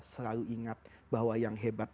selalu ingat bahwa yang hebat